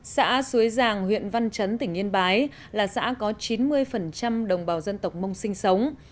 xã suối giàng huyện văn chấn tỉnh yên bái là xã có chín mươi đồng bào dân tộc mông sinh sống